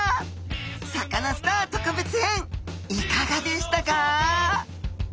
「サカナ★スター」特別編いかがでしたか？